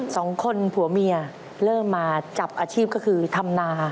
สองคนผัวเมียเริ่มมาจับอาชีพก็คือทำนา